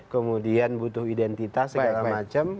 kemudian butuh identitas segala macam